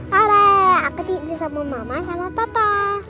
hooray aku tidur sama mama sama papa